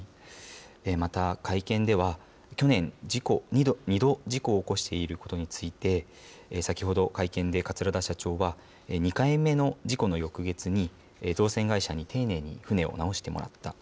また、会見では、去年、２度、事故を起こしていることについて、先ほど、会見で桂田社長は、２回目の事故の翌月に、造船会社に丁寧に船を直してもらった。